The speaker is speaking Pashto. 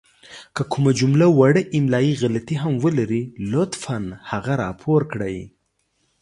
که کومه جمله وړه املائې غلطې هم ولري لطفاً هغه راپور کړئ!